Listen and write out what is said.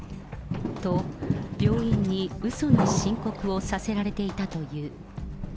と、病院にうその申告をさせられていたという。